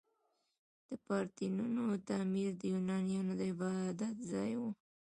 د پارتینون تعمیر د یونانیانو د عبادت ځای و.